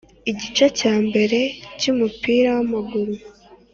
Igice cya mbere cy’umupira wamaguru.